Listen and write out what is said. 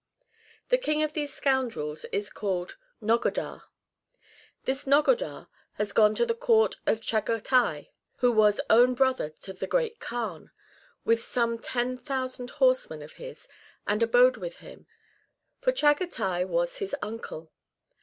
The King of these scoundrels is called Nogodar. This Nogodar had gone to the Court of Chagatai, who was own brother to the Great Kaan, with some 10,000 horsemen of his, and abode with him ; for Chagatai ^'^s his uncle.